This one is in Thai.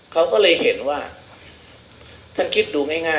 เขาก็เลยเห็นว่าถ้าคิดดูง่าย